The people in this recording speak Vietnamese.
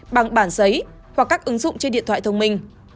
bằng bản giấy hoặc các ứng dụng trên điện thoại thông minh